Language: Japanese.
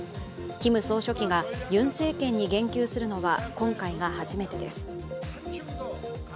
キム総書記がユン政権に言及するのは今回が初めてです。